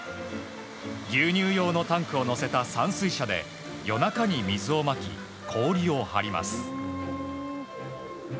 牛乳用のタンクを載せた散水車で夜中に水をまき、氷を張ります。